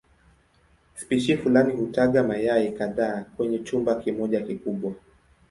Spishi fulani hutaga mayai kadhaa kwenye chumba kimoja kikubwa.